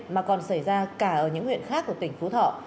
mà còn xảy ra cả ở những huyện khác của tỉnh phú thọ